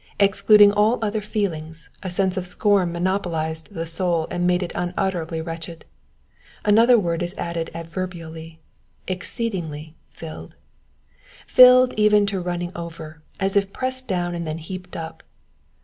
Excluding all other feelings, a sense of scorn monopolized the soul and made it unutterably wretche£ Another word is addea adverbially — exceedingly filled. Pilled even to running over, as if pressed down and then heaped up.